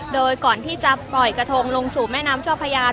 โดยก่อนที่จะปล่อยกระทงลงสู่แม่น้ำช่อพระราชัย